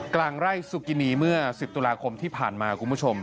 กลางไร่สุกินีเมื่อ๑๐ตุลาคมที่ผ่านมาคุณผู้ชม